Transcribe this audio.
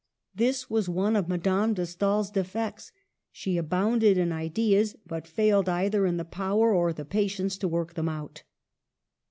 This was one of Madame de Stael's defects. She abounded in ideas, but failed either in the power or the patience to work them out.